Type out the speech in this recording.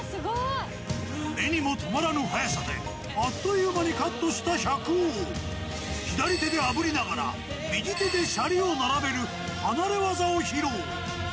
目にも留まらぬ速さであっという間にカットした百王左手で炙りながら右手でシャリを並べる離れ技を披露